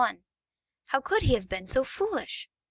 How could he have been so foolish!